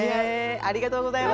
ありがとうございます。